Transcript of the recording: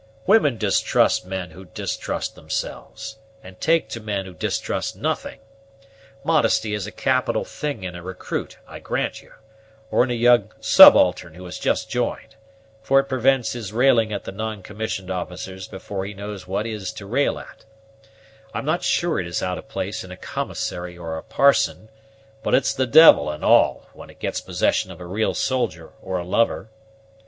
Women distrust men who distrust themselves, and take to men who distrust nothing. Modesty is a capital thing in a recruit, I grant you; or in a young subaltern who has just joined, for it prevents his railing at the non commissioned officers before he knows what to rail at; I'm not sure it is out of place in a commissary or a parson, but it's the devil and all when it gets possession of a real soldier or a lover.